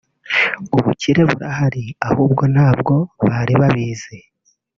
ubukire burahari ahubwo ntabwo bari babizi